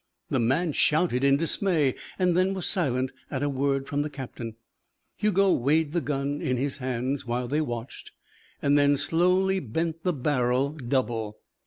The man shouted in dismay and then was silent at a word from the captain. Hugo weighed the gun in his hands while they watched and then slowly bent the barrel double.